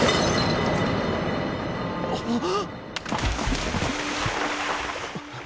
あっ。